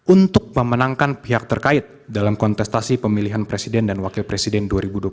untuk memenangkan pihak terkait dalam kontestasi pemilihan presiden dan wakil presiden dua ribu dua puluh empat